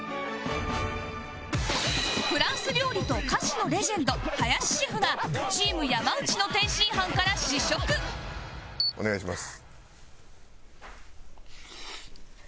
フランス料理と菓子のレジェンド林シェフがチーム山内の天津飯から試食お願いします。